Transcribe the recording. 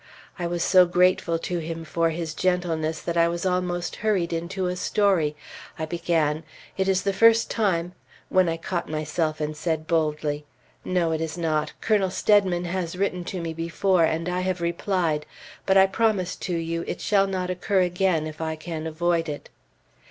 I was so grateful to him for his gentleness that I was almost hurried into a story. I began, "It is the first time " when I caught myself and said boldly, "No, it is not. Colonel Steadman has written to me before, and I have replied. But I promise to you it shall not occur again if I can avoid it."